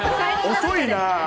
遅いな。